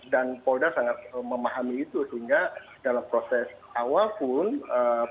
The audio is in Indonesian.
dan polda sangat memahami itu sehingga dalam proses awal pun pendampingan